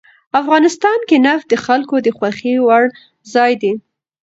افغانستان کې نفت د خلکو د خوښې وړ ځای دی.